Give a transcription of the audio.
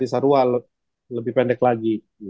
cisarua lebih pendek lagi